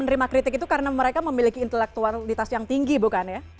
menerima kritik itu karena mereka memiliki intelektualitas yang tinggi bukan ya